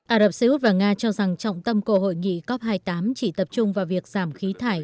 ả rập xê út và nga cho rằng trọng tâm của hội nghị cop hai mươi tám chỉ tập trung vào việc giảm khí thải